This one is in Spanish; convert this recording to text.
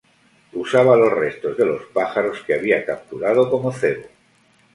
Usaba los restos de los pájaros que había capturado como cebo.